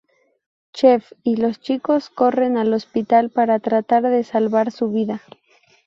Chef y los chicos corren al hospital para tratar de salvar su vida.